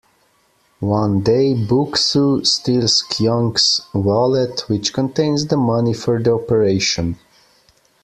One day Bok-su steals Kyung's wallet which contains the money for the operation.